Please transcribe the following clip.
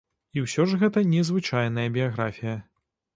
І ўсё ж гэта незвычайная біяграфія.